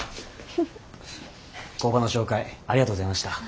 工場の紹介ありがとうございました。